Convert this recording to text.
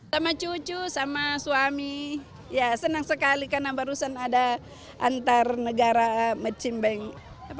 sama cucu sama suami senang sekali karena barusan ada antar negara marching band